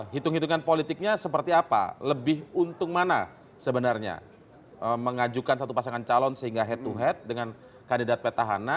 hitung hitungan politiknya seperti apa lebih untung mana sebenarnya mengajukan satu pasangan calon sehingga head to head dengan kandidat petahana